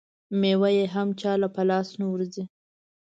مېوه یې هم چا له په لاس نه ورځي.